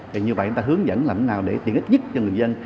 vậy như vậy người ta hướng dẫn làm thế nào để tiện ít nhất cho người dân